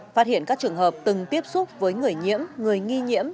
phát hiện các trường hợp từng tiếp xúc với người nhiễm người nghi nhiễm